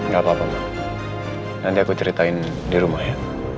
gak apa apa nanti aku ceritain di rumah ya